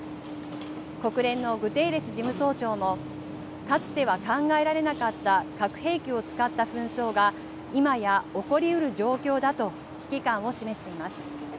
国連のグテーレス事務総長もかつては考えられなかった核兵器を使った紛争が今や起こりうる状況だと危機感を示しています。